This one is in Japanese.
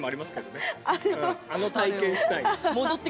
あの体験したい。